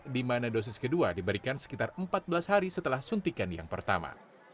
di mana dosis kedua diberikan sekitar empat belas hari setelah suntikan yang pertama